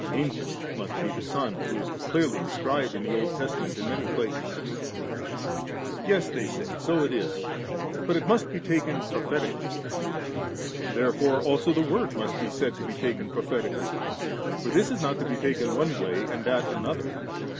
If then from the Old be ancientnes% ancient must be the Son, who is clearly de scribed in the Old Testament in many placeSi ' Yes,' they say, 'so it is, but it must be taken prophetiodly.' Therefore also the Word most be said to be spoken of prophetically ; for this is not to be taken one way, that another.